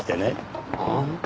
ああ。